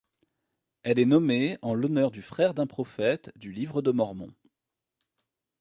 Elle est nommée en l'honneur du frère d'un prophète du livre de Mormon.